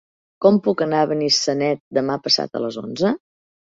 Com puc anar a Benissanet demà passat a les onze?